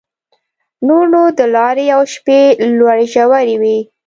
نور نو د لارې او شپې لوړې ژورې وې.